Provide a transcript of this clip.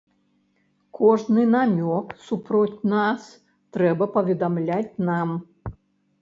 Кожны намёк супроць нас трэба паведамляць нам.